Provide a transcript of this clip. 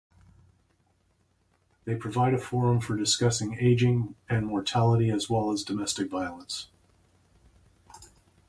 They provide a forum for discussing aging and mortality as well as domestic violence.